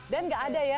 dan gak ada ya